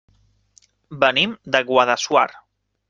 Venim de Guadassuar.